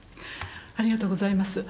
ありがとうございます。